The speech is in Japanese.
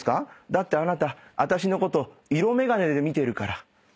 「だってあなた私のこと色眼鏡で見てるから」